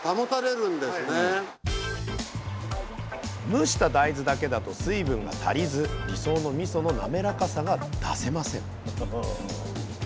蒸した大豆だけだと水分が足りず理想のみその滑らかさが出せません